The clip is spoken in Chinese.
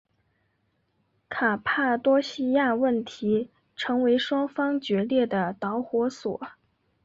卡帕多细亚问题成为双方决裂的导火索。